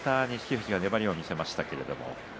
富士が粘りを見せました。